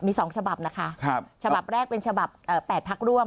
มี๒ฉบับนะคะฉบับแรกเป็นฉบับ๘พักร่วม